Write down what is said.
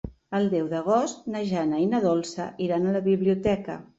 El deu d'agost na Jana i na Dolça iran a la biblioteca.